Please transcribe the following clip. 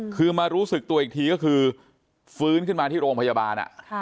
คือมารู้สึกตัวอีกทีก็คือฟื้นขึ้นมาที่โรงพยาบาล